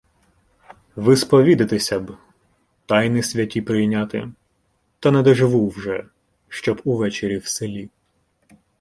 — Висповідатися б, Тайни Святі прийняти, та не доживу вже, щоб увечері в селі.